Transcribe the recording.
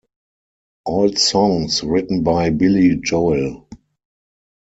All songs written by Billy Joel.